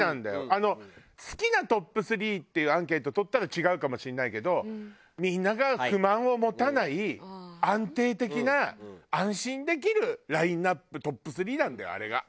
あの好きなトップ３っていうアンケート取ったら違うかもしんないけどみんなが不満を持たない安定的な安心できるラインアップトップ３なんだよあれが。